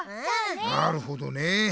なるほどねえ。